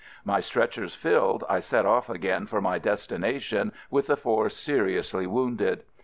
My stretchers filled, I set off again for my destination with the four seriously wounded.